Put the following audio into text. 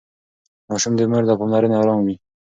ماشوم د مور له پاملرنې ارام وي.